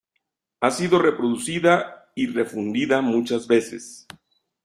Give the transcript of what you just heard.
Ha sido reproducida y refundida muchas veces.